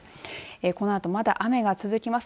このあとまだ雨が続きます。